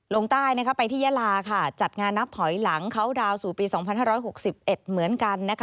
ลงใต้ไปที่ยาลาค่ะจัดงานนับถอยหลังเขาดาวนสู่ปี๒๕๖๑เหมือนกัน